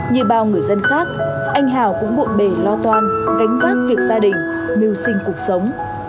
như bao người dân khác anh hảo cũng buộn bể lo toan gánh vác việc gia đình mưu sinh cuộc sống